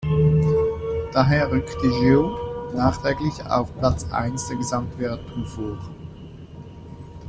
Daher rückte Gil nachträglich auf Platz eins der Gesamtwertung vor.